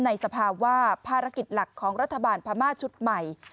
สภาวะภารกิจหลักของรัฐบาลพม่าชุดใหม่